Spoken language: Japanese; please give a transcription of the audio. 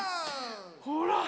ほら！